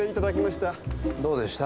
どうでした？